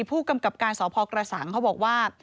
ผู้กำกับการสพกระสังเขาบอกว่า